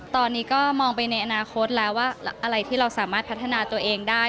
ตอนนี้ก็มองไปในอนาคตแล้วว่าอะไรที่เราสามารถพัฒนาตัวเองได้